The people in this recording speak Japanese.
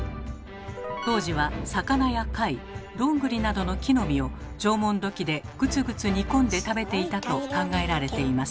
当時は魚や貝どんぐりなどの木の実を縄文土器でグツグツ煮込んで食べていたと考えられています。